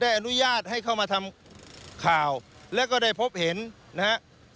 อนุญาตให้เข้ามาทำข่าวแล้วก็ได้พบเห็นนะฮะ